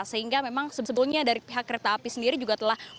sehingga memang sebetulnya dari pihak kereta api sendiri juga telah